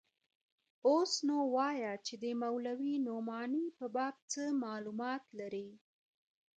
اوس نو وايه چې د مولوي نعماني په باب څه مالومات لرې.